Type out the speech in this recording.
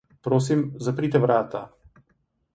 Prosim, zaprite vrata.